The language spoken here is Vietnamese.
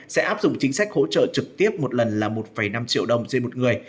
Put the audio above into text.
sẽ áp dụng chính sách hỗ trợ trực tiếp một lần là một năm triệu đồng trên một người